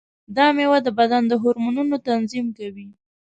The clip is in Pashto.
دا مېوه د بدن د هورمونونو تنظیم کوي.